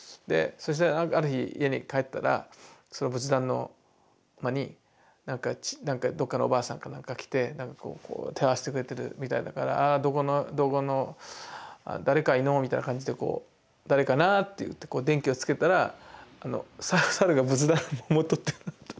そしたらある日家に帰ったらその仏壇の間にどっかのおばあさんか何かが来てこう手を合わせてくれてるみたいだから「あらどこの誰かいのぉ」みたいな感じで誰かなって電気をつけたら猿が仏壇の桃をとって。